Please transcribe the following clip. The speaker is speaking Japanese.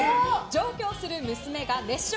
上京する娘が熱唱！